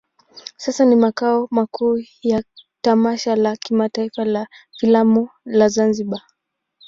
Sasa ni makao makuu ya tamasha la kimataifa la filamu la Zanzibar.